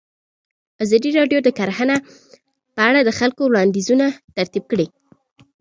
ازادي راډیو د کرهنه په اړه د خلکو وړاندیزونه ترتیب کړي.